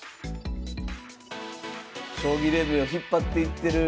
将棋連盟を引っ張っていってる。